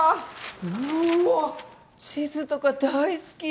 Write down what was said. うーわ地図とか大好き！